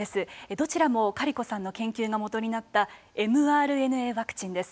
どちらもカリコさんの研究がもとになったｍＲＮＡワクチンです。